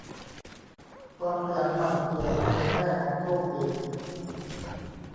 ความขยันหมั่นเพียรเป็นแม่ของโชคดี